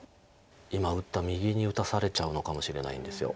今打った右に打たされちゃうのかもしれないんです。